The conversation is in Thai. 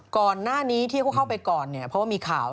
ก่อนหน้านี้ที่เขาเข้าไปก่อนเนี่ยเพราะว่ามีข่าว